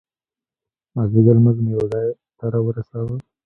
مازدیګر لمونځ مو یو ځای ته را ورساوه.